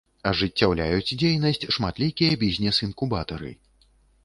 Ажыццяўляюць дзейнасць шматлікія бізнес інкубатары.